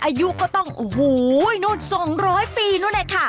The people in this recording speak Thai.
อายุก็ต้องโอ้โหนู่น๒๐๐ปีนู่นเลยค่ะ